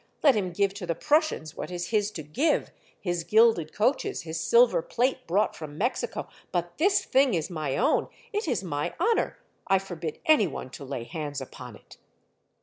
Let him give to the Prussians what is his to give, his gilded coaches, his silver plate brought from Mexico ; but this thing is my own, — it is my honor. I forbid any one to lay hands upon it."